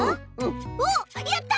おっやった！